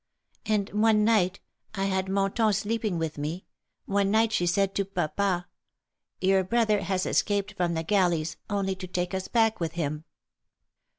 " And one night — I had Monton sleeping with me — one night she said to papa :^ Your brother has escaped from the galleys only to take us back with him.